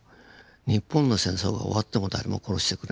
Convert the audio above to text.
日本の戦争が終わっても誰も殺してくれない。